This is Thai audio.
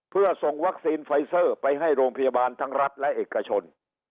เพื่อส่งวัคซีนไฟเซอร์ไปให้โรงพยาบาลทั้งรัฐและเอกชน